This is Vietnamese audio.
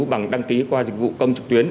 bằng đăng ký qua dịch vụ công trực tuyến